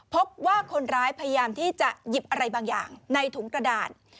พบว่าคนร้ายพยายามที่จะหยิบอะไรบางอย่างในถุงกระดาษ